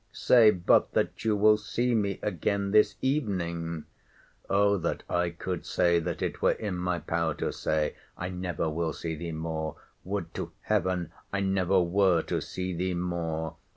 Say but that you will see me again this evening! O that I could say—that it were in my power to say—I never will see thee more!—Would to Heaven I never were to see thee more!